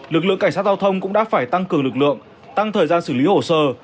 lực lượng cảnh sát giao thông cũng đã phải tăng cường lực lượng tăng thời gian xử lý hồ sơ